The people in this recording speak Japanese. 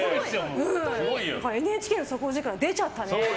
ＮＨＫの底力が出ちゃったね。